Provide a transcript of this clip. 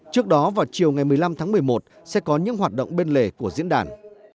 trước đó vào chiều ngày một mươi năm tháng một mươi một sẽ có những hoạt động bên lề của diễn đàn